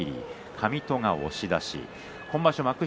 上戸、押し出し